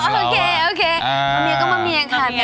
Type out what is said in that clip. มาเมียก็มาเมียค่ะแม่